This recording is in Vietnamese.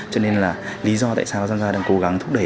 cho nên là lý do tại sao giamgia đang cố gắng thúc đẩy